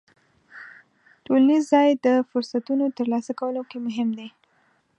ټولنیز ځای د فرصتونو ترلاسه کولو کې مهم دی.